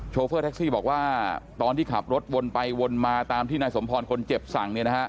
โฟเฟอร์แท็กซี่บอกว่าตอนที่ขับรถวนไปวนมาตามที่นายสมพรคนเจ็บสั่ง